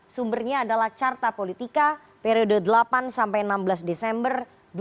sumbernya adalah carta politika periode delapan sampai enam belas desember dua ribu dua puluh